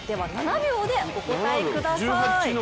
７秒でお答えください。